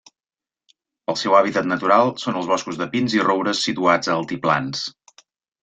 El seu hàbitat natural són els boscos de pins i roures situats a altiplans.